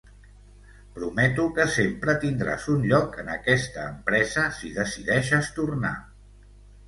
Prometo que sempre tindràs un lloc en aquesta empresa si decideixes tornar.